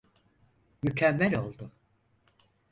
Mükemmel oldu.